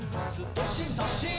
どっしんどっしん」